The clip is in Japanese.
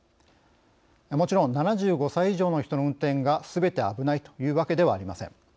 もちろん７５歳以上の人の運転がすべて危ないというわけではありません。